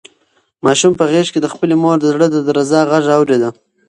ماشوم په غېږ کې د خپلې مور د زړه د درزا غږ اورېده.